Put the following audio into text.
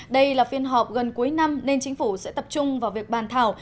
đây là phiên họp gần cuối năm nên chính phủ sẽ tập trung vào việc bàn thảo